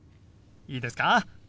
いいですか？